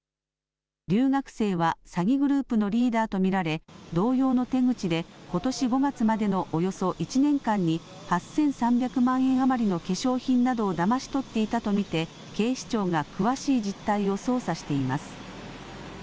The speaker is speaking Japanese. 留学生は詐欺グループのリーダーと見られ同様の手口でことし５月までのおよそ１年間に８３００万円余りの化粧品などをだまし取っていたと見て警視庁が詳しい実態を捜査しています。